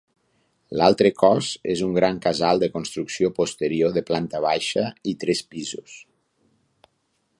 L'altre cos és un gran casal de construcció posterior de planta baixa i tres pisos.